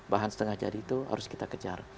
bahan setengah jari itu harus kita kecari